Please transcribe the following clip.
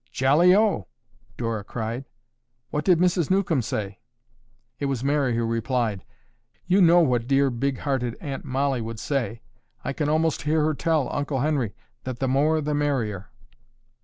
"Jolly O!" Dora cried. "What did Mrs. Newcomb say?" It was Mary who replied, "You know what dear, big hearted Aunt Mollie would say. I can almost hear her tell Uncle Henry that 'the more the merrier.